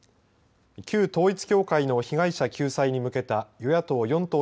旧統一教会の被害者救済に向けた与野党４